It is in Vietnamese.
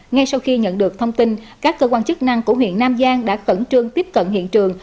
ngay sau khi nhận được thông tin các cơ quan chức năng của huyện nam giang đã khẩn trương tiếp cận hiện trường